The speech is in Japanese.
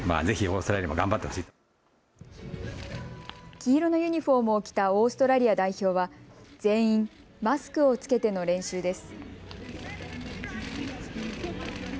黄色のユニフォームを着たオーストラリア代表は全員マスクを着けての練習です。